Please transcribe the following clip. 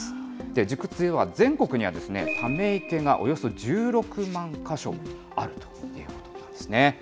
実は全国にため池がおよそ１６万か所あるということなんですね。